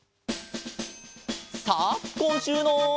さあこんしゅうの。